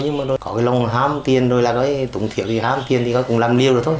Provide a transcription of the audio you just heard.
nhưng mà có cái lòng hàm tiền rồi là tụng thiện thì hàm tiền thì cũng làm nhiều rồi thôi